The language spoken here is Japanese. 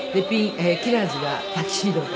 キラーズがタキシードで。